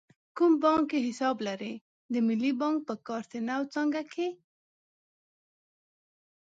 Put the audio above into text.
کوم بانک کې حساب لرئ؟ د ملی بانک په کارته نو څانګه کښی